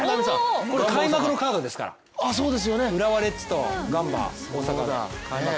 これ、開幕のカードですから、浦和レッズとガンバ大阪の。